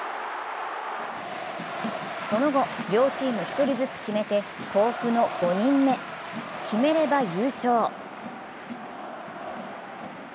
その後、両チーム１人ずつ決めて甲府の５人目、決めれば優勝。